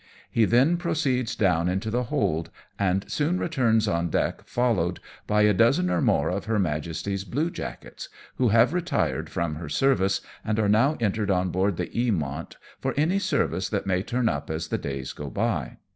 He then proceeds down into the hold, and soon returns on deck followed by a dozen or more of her Majesty's bluejackets, who have retired from her service, and are now entered on board the Eamont for any service that may turn up as the days go by.